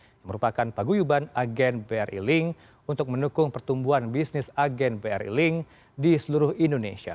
ini merupakan paguyuban agen bri link untuk mendukung pertumbuhan bisnis agen bri link di seluruh indonesia